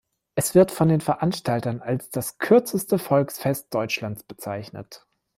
Es wird von den Veranstaltern als das „kürzeste Volksfest Deutschlands“ bezeichnet.